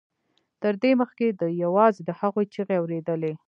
تر دې مخکې ده یوازې د هغوی چیغې اورېدلې